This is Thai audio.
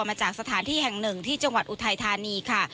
มาจากสถานที่แห่งหนึ่งที่จังหวัดอุทัยธานีค่ะ